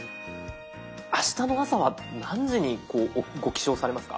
あしたの朝は何時にご起床されますか？